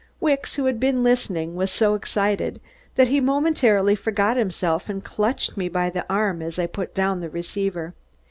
Wicks, who had been listening, was so excited that he momentarily forgot himself and clutched me by the arm as I put down the receiver.